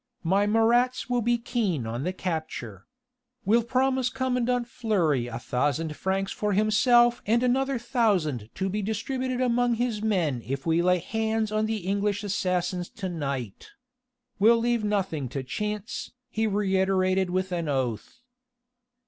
My Marats will be keen on the capture. We'll promise commandant Fleury a thousand francs for himself and another thousand to be distributed among his men if we lay hands on the English assassins to night. We'll leave nothing to chance," he reiterated with an oath.